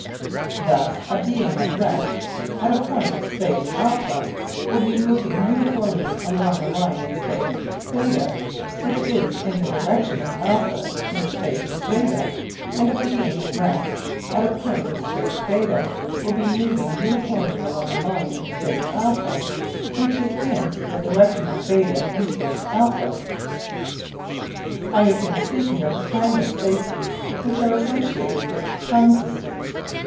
Thus a being at rest at a point of space α will be moving uniformly along a line in space β which is in the direction of α in space β, and a being at rest at a point of space β will be moving uniformly along a line in space α which is in the direction of β in space α. I have been speaking of the timeless spaces which are associated with time systems.